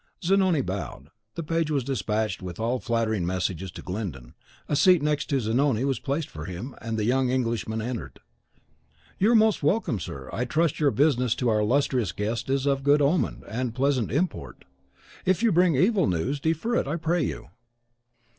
Zanoni bowed; the page was despatched with all flattering messages to Glyndon, a seat next to Zanoni was placed for him, and the young Englishman entered. "You are most welcome, sir. I trust your business to our illustrious guest is of good omen and pleasant import. If you bring evil news, defer it, I pray you."